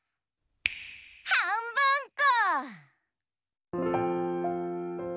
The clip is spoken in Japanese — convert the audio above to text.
はんぶんこ。